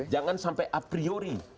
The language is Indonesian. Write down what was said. jangan sampai a priori